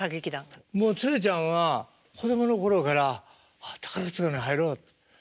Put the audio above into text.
もうツレちゃんは子供の頃から「あ宝塚に入ろう」と。